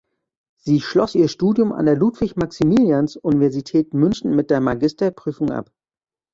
Sie schloss ihr Studium an der Ludwig-Maximilians-Universität München mit der Magisterprüfung ab.